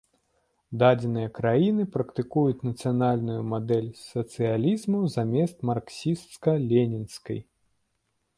Дадзеныя краіны практыкуюць нацыянальную мадэль сацыялізму замест марксісцка-ленінскай.